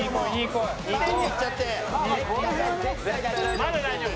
まだ大丈夫。